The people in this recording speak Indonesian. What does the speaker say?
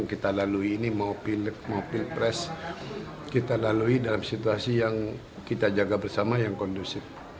kita lalui dalam situasi yang kita jaga bersama yang kondusif